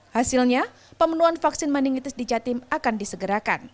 hasilnya pemenuhan vaksin meningitis di jatim akan disegerakan